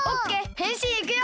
へんしんいくよ！